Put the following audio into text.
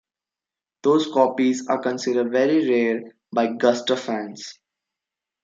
Those copies are considered very rare by Guster fans.